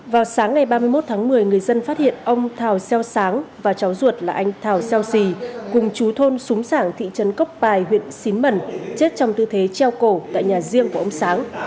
vào sáng ngày ba mươi một tháng một mươi người dân phát hiện ông thảo xeo sáng và cháu ruột là anh thảo xeo xì cùng chú thôn súng sảng thị trấn cốc pài huyện xín mần chết trong tư thế treo cổ tại nhà riêng của ông sáng